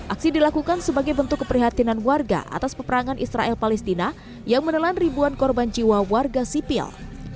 aksi dilakukan sebagai bentuk keprihatinan warga atas peperangan israel palestina yang menelan ribuan korban jiwa warga sipil